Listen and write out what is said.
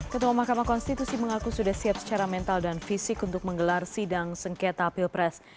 ketua mahkamah konstitusi mengaku sudah siap secara mental dan fisik untuk menggelar sidang sengketa pilpres